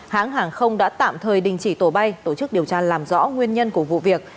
hãng hàng không đã tạm thời đình chỉ tổ bay tổ chức điều tra làm rõ nguyên nhân của vụ việc